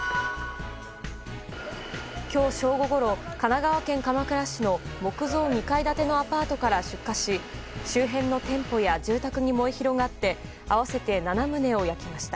今日正午ごろ、神奈川県鎌倉市の木造２階建てのアパートから出火し周辺の店舗や住宅に燃え広がって合わせて７棟を焼きました。